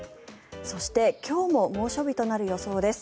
そして、今日も猛暑日となる予想です。